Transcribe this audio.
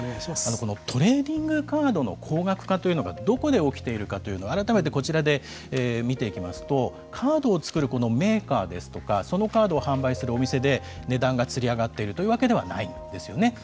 このトレーディングカードの高額化というのがどこで起きているかというのを改めてこちらで見ていきますとカードを作るメーカーですとかそのカードを販売するお店で値段がつり上がっているというわけではないんですよね。